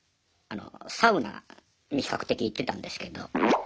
サウナに比較的行ってたんですけど。